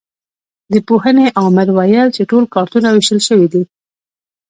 د پوهنې امر ویل چې ټول کارتونه وېشل شوي دي.